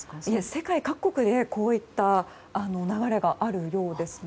世界各国でこういった流れがあるようです。